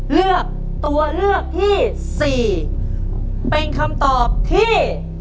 เลือกตัวเลือกที่สี่เป็นคำตอบที่